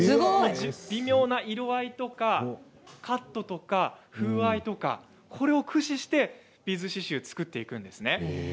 微妙な色合いですとかカットとか風合いとかこれを駆使してビーズ刺しゅう作っていくんですね。